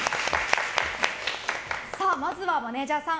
まずはマネジャーさん